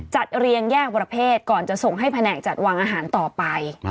เรียงแยกประเภทก่อนจะส่งให้แผนกจัดวางอาหารต่อไป